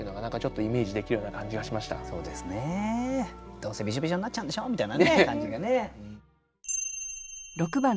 「どうせびしょびしょになっちゃうんでしょ」みたいな感じがね。